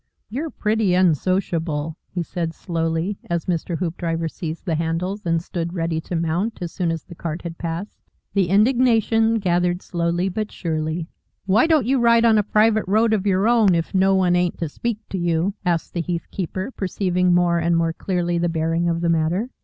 "You're pretty unsociable," he said slowly, as Mr. Hoopdriver seized the handles and stood ready to mount as soon as the cart had passed. The indignation gathered slowly but surely. "Why don't you ride on a private road of your own if no one ain't to speak to you?" asked the heath keeper, perceiving more and more clearly the bearing of the matter.